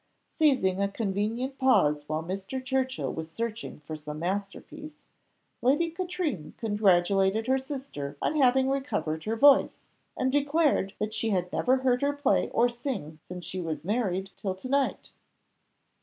Seizing a convenient pause while Mr. Churchill was searching for some master piece, Lady Katrine congratulated her sister on having recovered her voice, and declared that she had never heard her play or sing since she was married till tonight.